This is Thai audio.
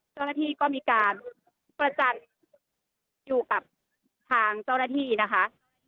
เจ้าหน้าที่ก็มีการประจัดอยู่กับทางเจ้าหน้าที่นะคะ